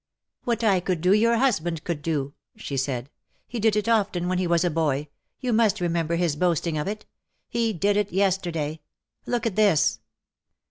" What I could do your husband could do,^^ she said. '^ He did it often when he was a boy — you must remember his boasting of it. He did it yesterday. Look at this."